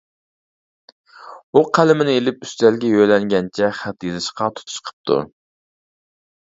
ئۇ قەلىمىنى ئېلىپ ئۈستەلگە يۆلەنگەنچە خەت يېزىشقا تۇتۇش قىپتۇ.